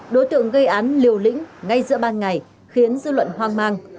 đối tượng gây án liều lĩnh ngay giữa ban ngày khiến dư luận hoang mang